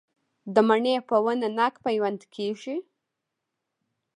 د مڼې په ونه ناک پیوند کیږي؟